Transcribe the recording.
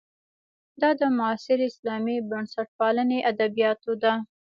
دا د معاصرې اسلامي بنسټپالنې ادبیاتو ده.